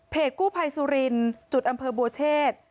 กู้ภัยสุรินจุดอำเภอบัวเชษ